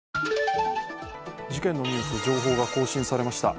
事件のニュース、情報が更新されました。